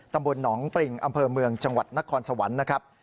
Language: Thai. ตัมบลนองร์ปริ่งอัมเภอเมืองจังหวัดนครสวรรค์